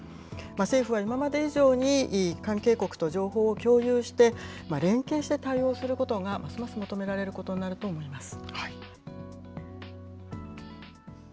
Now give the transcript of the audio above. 政府は今まで以上に関係国と情報を共有して、連携して対応することがますます求められることになると思います。